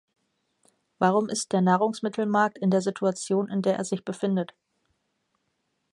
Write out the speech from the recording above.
Warum ist der Nahrungsmittelmarkt in der Situation, in der er sich befindet?